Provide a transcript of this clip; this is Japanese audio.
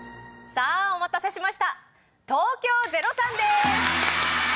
さぁお待たせしました東京０３です。